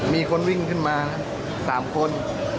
มีคนวิ่งขึ้นมา๓คน